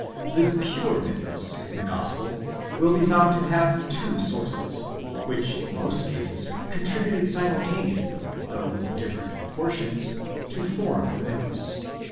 The pure mythus in the Gospel will be found to have two sources, which in most cases contributed simultaneously, though in different proportions, to form the mythus.